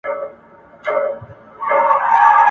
دوست ته حال وایه دښمن ته لافي وهه !.